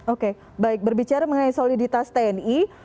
oke baik berbicara mengenai soliditas tni